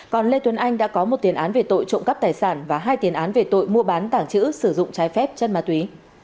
còn lê tuấn anh đã có một tiền án về tội trộm cắp tài sản và hai tiền án về tội mua bán tảng chữ sử dụng trái phép chất ma túy